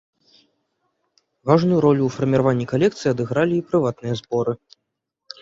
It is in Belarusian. Важную ролю ў фарміраванні калекцыі адыгралі і прыватныя зборы.